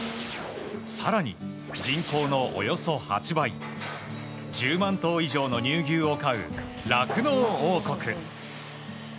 更に、人口のおよそ８倍１０万頭以上の乳牛を飼う酪農王国。